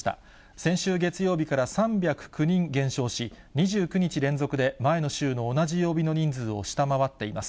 先週月曜日から３０９人減少し、２９日連続で前の週の同じ曜日の人数を下回っています。